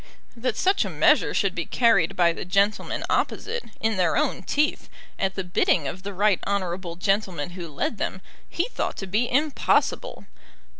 That such a measure should be carried by the gentlemen opposite, in their own teeth, at the bidding of the right honourable gentleman who led them, he thought to be impossible.